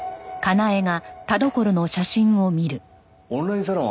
オンラインサロン